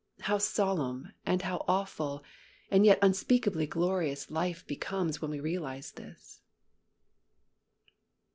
How solemn and how awful and yet unspeakably glorious life becomes when we realize this.